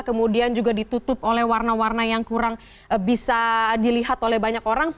kemudian juga ditutup oleh warna warna yang kurang bisa dilihat oleh banyak orang